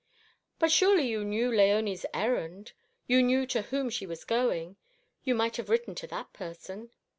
"But surely you knew Léonie's errand? You knew to whom she was going? You might have written to that person."